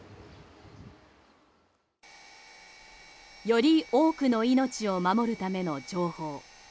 より多くの命を守るための情報。